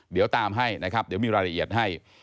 เดี๋ยวตามให้นะครับเดี๋ยวมีรายละเอียดให้